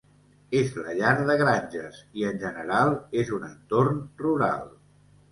És la llar de granges i, en general, és un entorn rural.